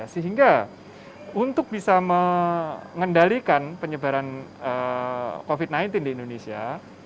sehingga untuk bisa mengendalikan penyebaran covid sembilan belas di indonesia